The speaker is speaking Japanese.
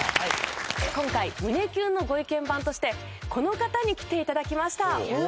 今回胸キュンのご意見番としてこの方に来て頂きました。